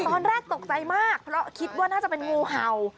ตอนแรกตกใจมากเพราะคิดว่าน่าจะเป็นงูเห่า